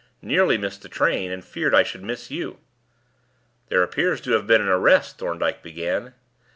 Nearly missed the train, and feared I should miss you." "There appears to have been an arrest," Thorndyke began.